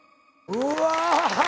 うわ！